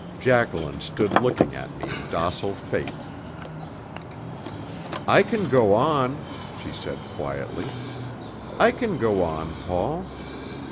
Jacqueline stood looking at me in docile faith. "I can go on," she said quietly. "I can go on, Paul."